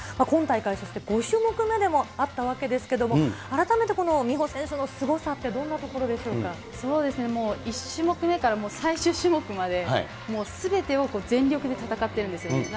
今大会、そして５種目目でもあったわけですけれども、改めてこの美帆選手のすごさってどんなとこそうですね、１種目目から最終種目まで、もうすべてを全力で戦っているんですよね。